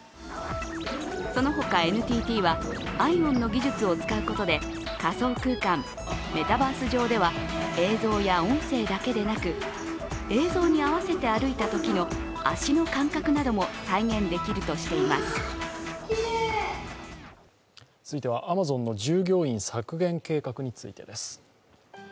そのほか、ＮＴＴはＩＯＷＮの技術を使うことで仮想空間＝メタバース上では映像や音声だけでなく映像に合わせて歩いたときの足の感覚なども続いては、アマゾンの従業員削減計画についてです。